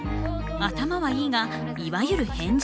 頭はいいがいわゆる変人。